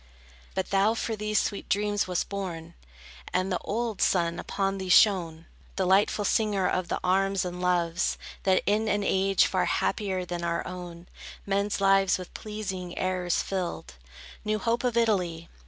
But thou for these sweet dreams wast born, And the old sun upon thee shone, Delightful singer of the arms, and loves, That in an age far happier than our own, Men's lives with pleasing errors filled. New hope of Italy!